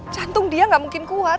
jantung dia nggak mungkin kuat